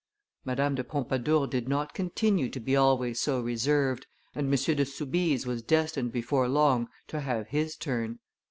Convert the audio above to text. Madame de Pompadour did not continue to be always so reserved, and M. de Soubise was destined before long to have his turn.